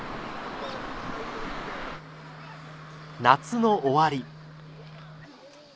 夏の終わり。